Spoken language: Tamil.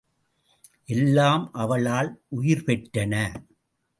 எல்லாம் அவளால் உயிர்பெற்றன.